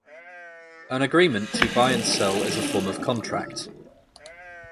An agreement to buy and sell is a form of contract.